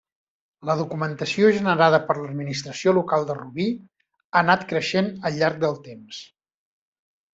La documentació generada per l'Administració local de Rubí, ha anat creixent al llarg del temps.